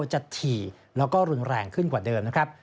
ถี่แล้วก็รุนแรงขึ้นกว่าเดิมนะครับ